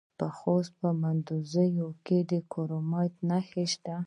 د خوست په مندوزیو کې د کرومایټ نښې شته.